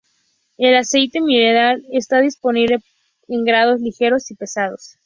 El aceite mineral está disponible en grados ligeros y pesados.